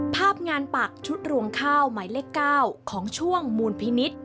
ภาพงานปักชุดรวงข้าวหมายเลข๙ของช่วงมูลพินิษฐ์